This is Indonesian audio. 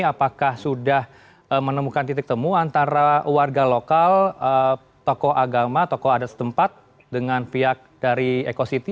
apakah sudah menemukan titik temu antara warga lokal tokoh agama tokoh adat setempat dengan pihak dari eko city